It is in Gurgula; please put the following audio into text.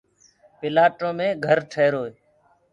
پلآٽو مي گھر ٺيهيروئي